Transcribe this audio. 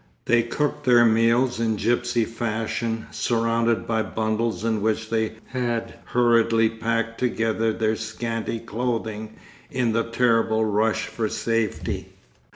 They cooked their meals in gipsy fashion, surrounded by bundles in which they had hurriedly packed together their scanty clothing in the terrible rush for safety.